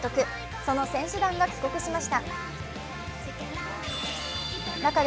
その選手団が帰国しました。